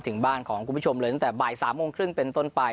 ถึงบ้านของคุณผู้ชมเลยตั้งแต่บ่าย๓โมงครึ่งเป็นต้นไป